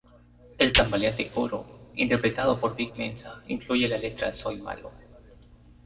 El "tambaleante" coro, interpretado por Vic Mensa, incluye la letra: "Soy malo.